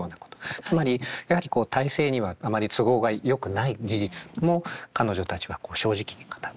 つまりやはりこう体制にはあまり都合がよくない事実も彼女たちは正直に語った。